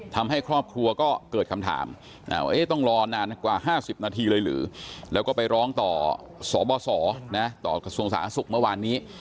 ทำให้ครอบครัวก็เกิดคำถามว่าต้องรอนานกว่า๕๐นาทีเลยหรือแล้วก็ไปร้องต่อสบสต่อกระทรวงสาธารณสุขเมื่อวานนี้